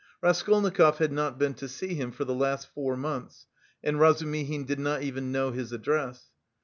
Raskolnikov had not been to see him for the last four months, and Razumihin did not even know his address.